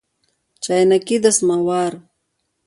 چاینکي د سماوار